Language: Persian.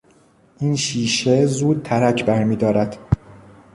این شیشه زود ترک برمیدارد.